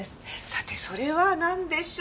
さてそれはなんでしょうか？